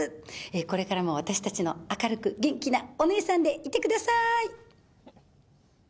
これからも私たちの明るく元気なお姉さんでいてください。